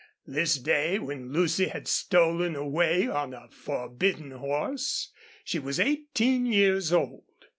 This day, when Lucy had stolen away on a forbidden horse, she was eighteen years old.